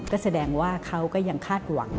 ก็แสดงว่าเขาก็ยังคาดหวัง